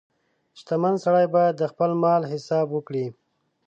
• شتمن سړی باید د خپل مال حساب وکړي.